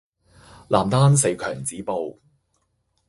男單四強止步